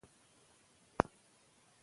که لابراتوار وي نو تحقیق نه ودریږي.